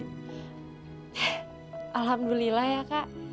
heh alhamdulillah ya kak